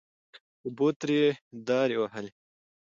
اوبو ترې دارې وهلې. .